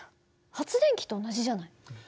発電機と同じじゃない？